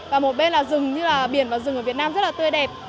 và một bên là rừng như là biển và rừng ở việt nam rất là tươi đẹp